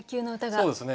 そうですね。